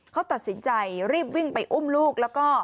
เขาตัดสินใจรีบวิ่งไปอุ้มลูก